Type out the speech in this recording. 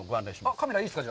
カメラいいですか？